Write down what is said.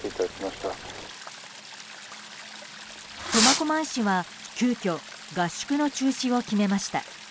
苫小牧市は急きょ合宿の中止を決めました。